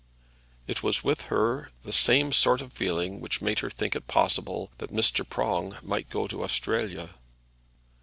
It was with her the same sort of feeling which made her think it possible that Mr. Prong might go to Australia.